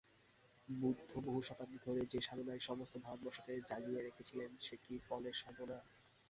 বুদ্ধ বহু শতাব্দী ধরে যে সাধনায় সমস্ত ভারতবর্ষকে জাগিয়ে রেখেছিলেন সে কি ফলের সাধনা?